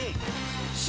Ｃ。